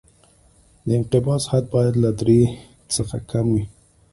د انقباض حد باید له درې څخه کم وي